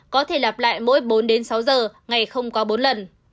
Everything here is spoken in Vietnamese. có thể lặp lại mỗi bốn sáu giờ ngày không quá bốn lần